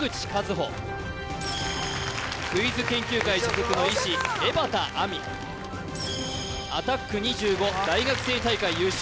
歩クイズ研究会所属の医師江畑亜美アタック２５大学生大会優勝